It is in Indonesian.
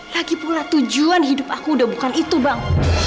lagipula tujuan hidup aku udah bukan itu bang